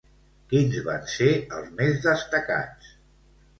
Quins van ser els més destacats?